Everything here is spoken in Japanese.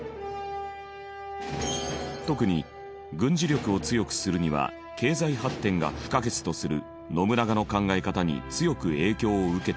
特に軍事力を強くするには経済発展が不可欠とする信長の考え方に強く影響を受けており。